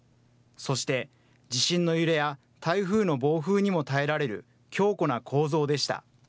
そして地震の揺れや台風の暴風にも耐えられる強固な構造でした。